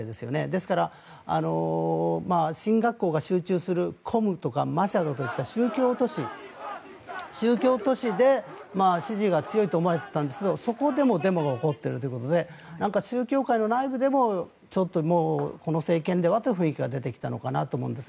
ですから、神学校が集中するコムとかマシャドといった宗教都市で支持が強いと思われていたんですがそこでもデモが起こっているということで宗教界の内部でもちょっとこの政権ではという雰囲気が出てきたのかと。